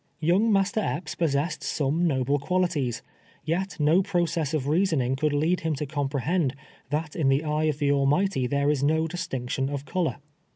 Young Master Epps possessed some noble qualities, yet no process of reasoning could lead him to com prehend, that in the eye of the Almighty there is no distinction of color.